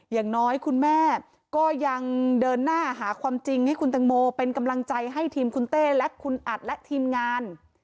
อย่างน้อยคุณแม่ก็ยังเดินหน้าหาความจริงให้คุณตังโมเป็นกำลังใจให้ทีมคุณเต้และคุณอัดและทีมงาน